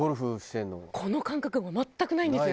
この感覚全くないんです。